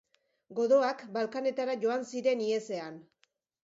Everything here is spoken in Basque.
Godoak Balkanetara joan ziren ihesean.